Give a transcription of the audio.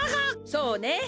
そうね。